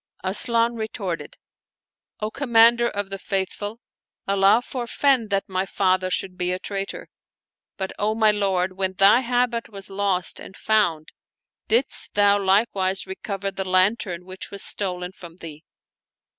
Asian retorted, " O Commander of the Faithful, Allah forfend that my father should be a traitor! But, O my lord, when thy habit was lost and found, didst thou like wise recover the lantern which was stolen from thee?"